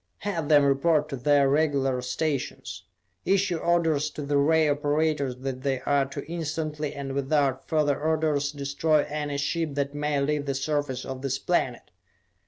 "Have them report to their regular stations. Issue orders to the ray operators that they are to instantly, and without further orders, destroy any ship that may leave the surface of this planet.